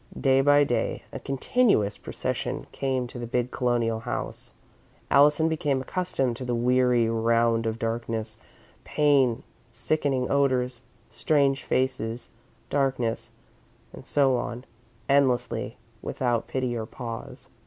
Day by day, a continuous procession came to the big Colonial house. Allison became accustomed to the weary round of darkness, pain, sickening odours, strange faces, darkness, and so on, endlessly, without pity or pause.